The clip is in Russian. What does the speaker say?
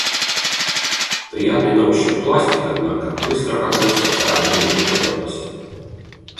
Приятный на ощупь пластик, однако, быстро покрылся царапинами и потертостями.